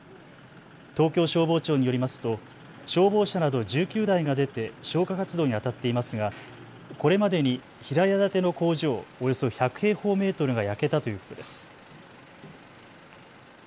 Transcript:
東京消防庁によりますと消防車など１９台が出て消火活動にあたっていますがこれまでに平屋建ての工場およそ１００平方メートルが焼けたということです。